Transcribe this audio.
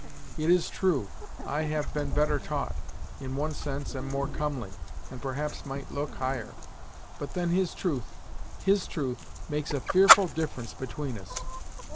It is true, I have been better taught; in one sense am more comely; and perhaps might look higher; but then his truth his truth makes a fearful difference between us!